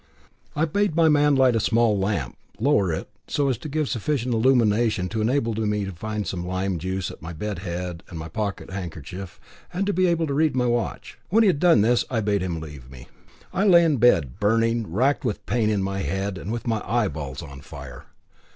I bade my man light a small lamp, lower it, so as to give sufficient illumination to enable me to find some lime juice at my bed head, and my pocket handkerchief, and to be able to read my watch. When he had done this, I bade him leave me. I lay in bed, burning, racked with pain in my head, and with my eyeballs on fire.